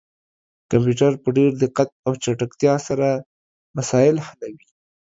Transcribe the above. کمپيوټر په ډير دقت او چټکتيا سره مسايل حلوي